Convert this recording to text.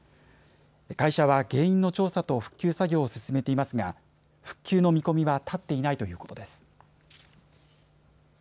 会社は原因の調査と復旧作業を進めていますが復旧の見込みは立っていないということです。